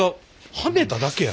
はめただけやろ？